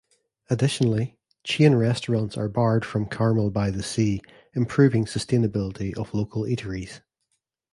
Additionally, chain restaurants are banned from Carmel-by-the-Sea, improving the sustainability of local eateries.